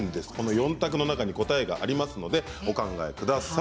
４択の中に答えがありますのでお考えください。